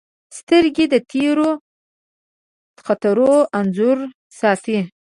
سترګې د تېرو خاطرو انځور ساتي